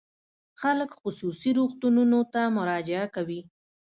خلک خصوصي روغتونونو ته مراجعه کوي.